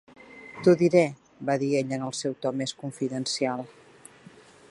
"T'ho diré", va dir ell en el seu to més confidencial.